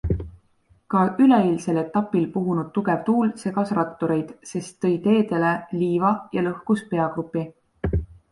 Ka üleeilsel etapil puhunud tugev tuul segas rattureid, sest tõi teedele liiva ja lõhkus peagrupi.